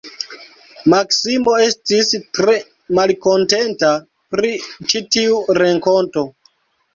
Maksimo estis tre malkontenta pri ĉi tiu renkonto.